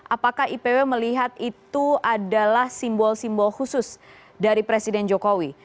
apakah ipw melihat itu adalah simbol simbol khusus dari presiden jokowi